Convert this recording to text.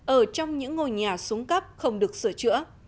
ở trong những ngôi nhà súng cắp không được sửa chữa